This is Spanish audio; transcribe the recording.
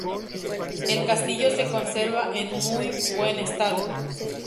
El castillo se conserva en muy buen estado.